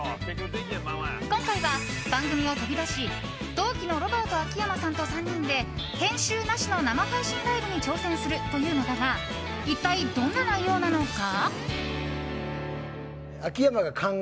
今回は番組を飛び出し同期のロバート秋山さんと３人で編集なしの生配信ライブに挑戦するというのだが一体、どんな内容なのか？